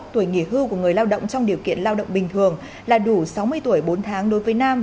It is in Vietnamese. tuổi nghỉ hưu của người lao động trong điều kiện lao động bình thường là đủ sáu mươi tuổi bốn tháng đối với nam